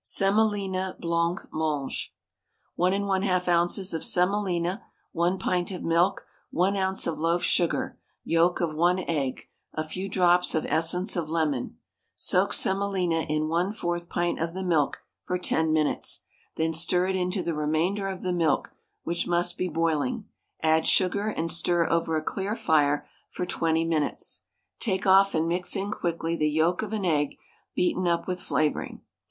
SEMOLINA BLANCMANGE. 1 1/2 oz. of semolina, 1 pint of milk, 1 oz. of loaf sugar, yolk of 1 egg, a few drops of essence of lemon. Soak semolina in 1/4 pint of the milk for 10 minutes, then stir it into the remainder of the milk, which must be boiling; add sugar, and stir over a clear fire for 20 minutes. Take off and mix in quickly the yolk of an egg beaten up with flavouring.